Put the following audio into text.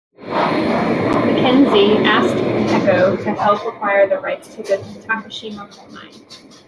Mackenzie, asked Heco to help acquire the rights to the Takashima coal mine.